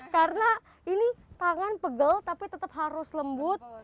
karena ini tangan pegel tapi tetap harus lembut